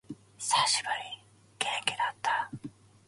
久しぶり。元気だった？